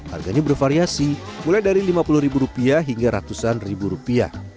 harganya bervariasi mulai dari lima puluh hingga ratusan ribu rupiah